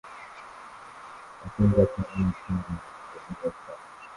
Wapenzi wa kiholela, pia wanakuogopa,